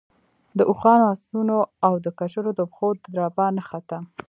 د اوښانو، آسونو او د کچرو د پښو دربا نه خته.